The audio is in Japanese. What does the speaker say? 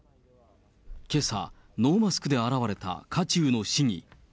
けさ、ノーマスクで現れた渦中の市議。